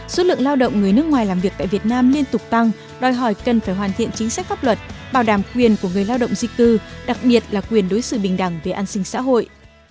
số lượng lao động người nước ngoài làm việc tại việt nam liên tục tăng đòi hỏi cần phải hoàn thiện chính sách pháp luật bảo đảm quyền của người lao động di cư đặc biệt là quyền đối xử bình đẳng về an sinh xã hội